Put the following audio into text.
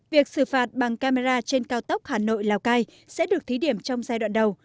việc xử phạt bằng camera trên cao tốc hà nội lào cai sẽ được thí điểm trong giai đoạn đầu